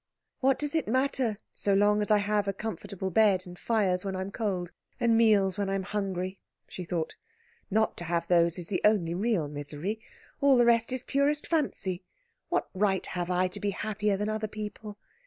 "What does it matter, so long as I have a comfortable bed, and fires when I am cold, and meals when I am hungry?" she thought. "Not to have those is the only real misery. All the rest is purest fancy. What right have I to be happier than other people?